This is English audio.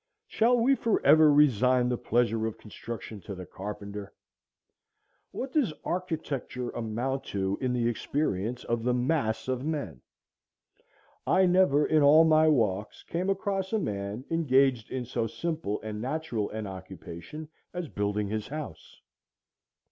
Shall we forever resign the pleasure of construction to the carpenter? What does architecture amount to in the experience of the mass of men? I never in all my walks came across a man engaged in so simple and natural an occupation as building his house.